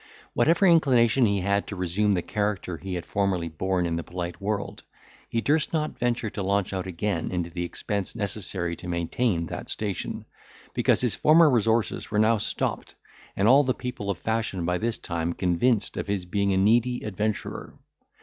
Whatever inclination he had to resume the character he had formerly borne in the polite world, he durst not venture to launch out again into the expense necessary to maintain that station, because his former resources were now stopped, and all the people of fashion by this time convinced of his being a needy adventurer.